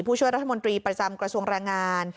ผู้ช่วยรัฐมนตรีประจำกระทรวงแรงงาน